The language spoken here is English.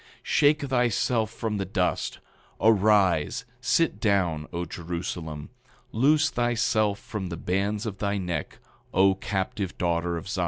8:25 Shake thyself from the dust; arise, sit down, O Jerusalem; loose thyself from the bands of thy neck, O captive daughter of Zion.